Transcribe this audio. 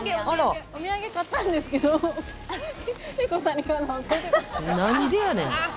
お土産買ったんですけど何でやねん！